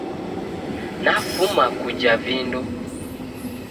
Nafuma kuja vindo